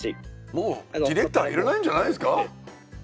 もうディレクターいらないんじゃないですか？